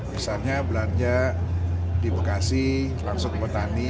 misalnya belanja di bekasi langsung ke petani